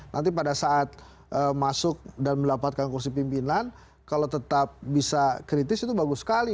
nanti pada saat masuk dan mendapatkan kursi pimpinan kalau tetap bisa kritis itu bagus sekali